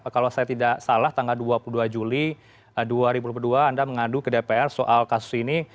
kalau saya tidak salah tanggal dua puluh dua juli dua ribu dua puluh dua anda mengadu ke dpr soal kasus ini